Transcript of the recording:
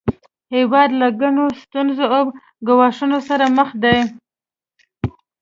هیواد له ګڼو ستونزو او ګواښونو سره مخ دی